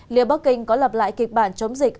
liệu bắc kinh có lập lại kịch bản chống dịch